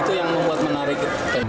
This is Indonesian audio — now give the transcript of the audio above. itu yang membuat menarik